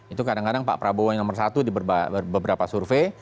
itu kadang kadang pak prabowo yang nomor satu di beberapa survei